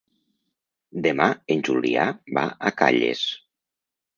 Demà en Julià va a Calles.